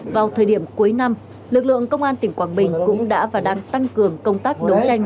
vào thời điểm cuối năm lực lượng công an tỉnh quảng bình cũng đã và đang tăng cường công tác đấu tranh